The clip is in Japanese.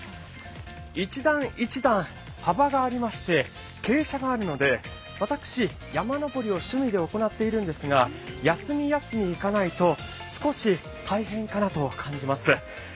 １段１段幅がありまして傾斜があるので私、山登りを趣味で行っているんですが休み休み行かないと少し大変かなと感じます。